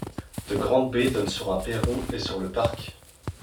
De grandes baies donnent sur un perron et sur le parc.